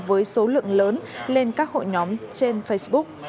với số lượng lớn lên các hội nhóm trên facebook